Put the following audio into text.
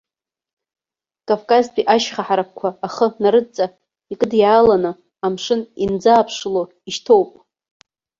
Кавказтәи ашьха ҳаракқәа ахы нарыдҵа икыдиааланы, амшын инӡааԥшыло ишьҭоуп.